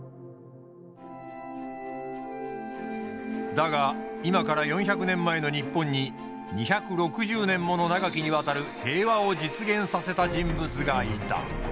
だが今から４００年前の日本に２６０年もの長きにわたる平和を実現させた人物がいた。